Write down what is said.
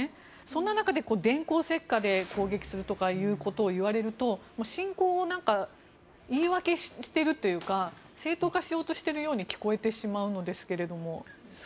そんな中で電光石火で攻撃するとかいうことを言われると侵攻を言い訳しているというか正当化しているように聞こえてしまうのですけれども。